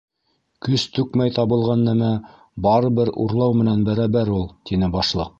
- Көс түкмәй табылған нәмә барыбер урлау менән бәрәбәр ул, - тине Башлыҡ.